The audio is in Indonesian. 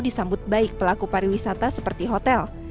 disambut baik pelaku pariwisata seperti hotel